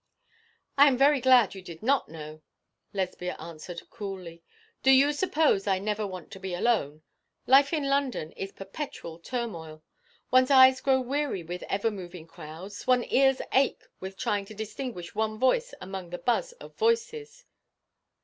'I am very glad you did not know,' Lesbia answered coolly. 'Do you suppose I never want to be alone? Life in London is perpetual turmoil; one's eyes grow weary with ever moving crowds, one's ears ache with trying to distinguish one voice among the buzz of voices.'